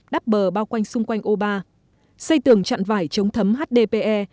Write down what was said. đắp bờ bao quanh xung quanh ô ba xây tường trạng vải chống thấm hdpe